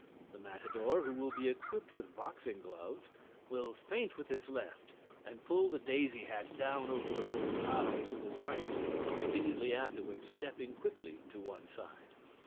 The matador, who will be equipped with boxing gloves, will feint with his left and pull the daisy hat down over the bull's eyes with his right, immediately afterward stepping quickly to one side.